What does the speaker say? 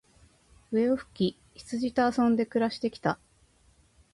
笛を吹き、羊と遊んで暮して来た。